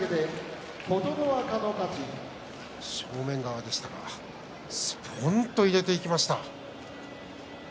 正面側でしたかすぽんと入れていきました。